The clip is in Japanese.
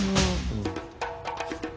うん。